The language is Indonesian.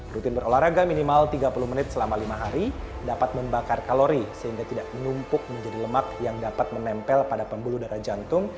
rutin berolahraga minimal tiga puluh menit selama lima hari dapat membakar kalori sehingga tidak menumpuk menjadi lemak yang dapat menempel pada pembuluh darah jantung